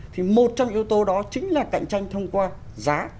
thì một trong những yếu tố đó chính là cạnh tranh thông qua giá